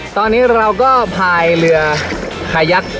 ตอนนี้เราก็พายเรือขยักษ